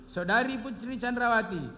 saudari putri candrawati